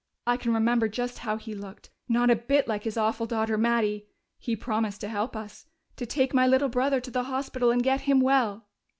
I can remember just how he looked not a bit like his awful daughter Mattie! He promised to help us, to take my little brother to the hospital and get him well.